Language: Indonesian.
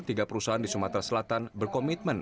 tiga perusahaan di sumatera selatan berkomitmen